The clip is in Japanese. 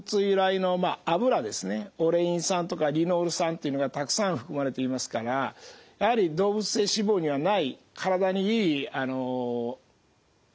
オレイン酸とかリノール酸っていうのがたくさん含まれていますからやはり動物性脂肪にはない体にいい油が多いわけです。